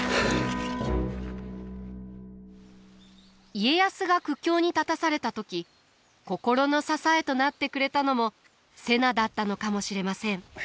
家康が苦境に立たされた時心の支えとなってくれたのも瀬名だったのかもしれません。